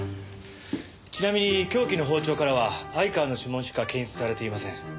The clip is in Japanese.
ちなみに凶器の包丁からは相川の指紋しか検出されていません。